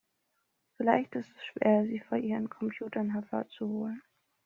Vielleicht ist es schwer, sie vor ihren Computern hervorzuholen.